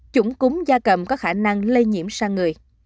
chủng cúm da cầm có khả năng lây nhiễm sang người